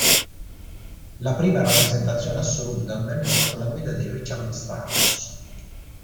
La prima rappresentazione assoluta avvenne sotto la guida di Richard Strauss.